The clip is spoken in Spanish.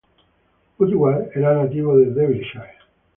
Woodward era nativo de Derbyshire.